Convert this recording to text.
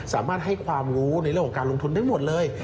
สามารถให้ความรู้ในเรื่องของการลงทุนได้หมดเลย